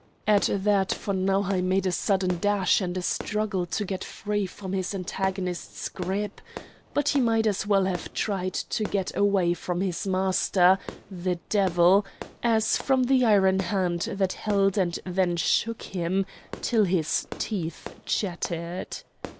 At that von Nauheim made a sudden dash and struggle to get free from his antagonist's grip; but he might as well have tried to get away from his master, the devil, as from the iron hand that held and then shook him till his teeth chattered.